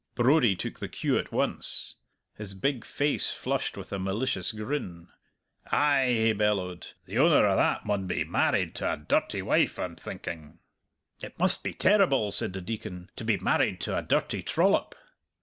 Brodie took the cue at once. His big face flushed with a malicious grin. "Ay," he bellowed; "the owner o' that maun be married to a dirty wife, I'm thinking!" "It must be terrible," said the Deacon, "to be married to a dirty trollop."